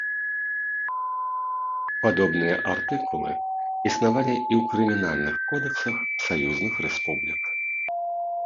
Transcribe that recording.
Падобныя артыкулы існавалі і ў крымінальных кодэксах саюзных рэспублік.